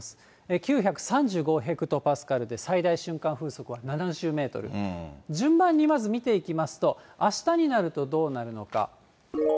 ９３５ヘクトパスカルで最大瞬間風速は７０メートル、順番にまず見ていきますと、あしたになるとどうなるのか。